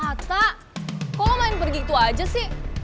ata kok lo main begitu aja sih